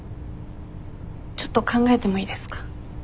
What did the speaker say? ちょっと考えてもいいですか。